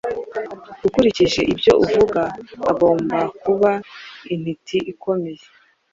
Ukurikije ibyo uvuga, agomba kuba intiti ikomeye.